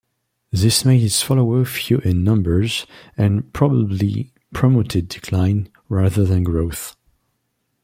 This made its followers few in number and probably promoted decline rather than growth.